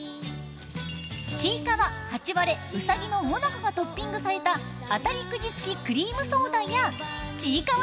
ちいかわ、ハチワレ、うさぎのもなかがトッピングされたあたりくじ付きクリームソーダやちいかわ